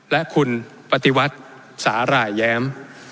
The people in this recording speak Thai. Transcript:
และคุณปฏิวัติสาหร่ายแย้ม